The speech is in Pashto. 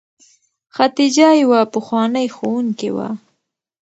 خدیجه یوه پخوانۍ ښوونکې وه.